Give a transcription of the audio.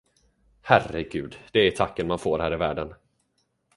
Herre Gud, det är tacken man får här i världen.